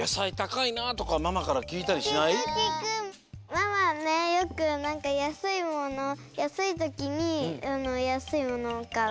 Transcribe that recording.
ママねよくなんかやすいものやすいときにやすいものをかう。